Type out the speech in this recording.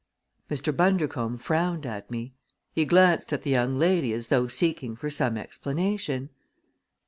Mr. Bundercombe frowned at me. He glanced at the young lady as though seeking for some explanation.